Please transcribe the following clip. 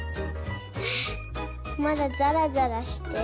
あまだざらざらしてる。